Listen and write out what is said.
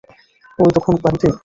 ওই তখন বাড়িতে?